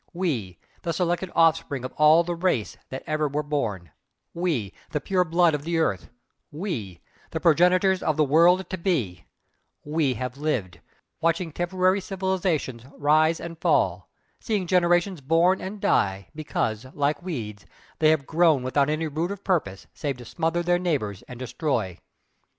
'We,' the selected offspring of all the race that ever were born, 'we,' the pure blood of the earth, 'we,' the progenitors of the world TO BE, 'we' have lived, watching temporary civilisations rise and fall, seeing generations born and die, because, like weeds, they have grown without any root of purpose save to smother their neighbours and destroy.